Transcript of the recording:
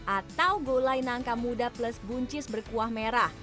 atau gulai nangka muda plus buncis berkuah merah